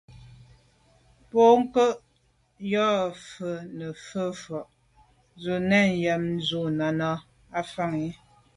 Bwɔ́ŋkə̂’ nɑ̂’ vwá’ nə̀ vwá’ vwɑ́’ dzwə́ zə̄ mɛ̂n shûn Náná ná’ fáŋə́.